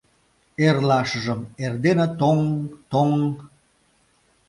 Эрлашыжым эрдене тоҥ-ҥ!.. тоҥ-ҥ!